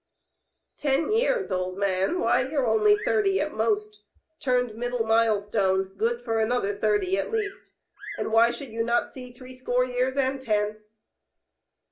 "Ten years, old man? Why, you're only thirty at most, turned middle milestone — good for an other thirty at least — and why should you not see threescore years and ten?"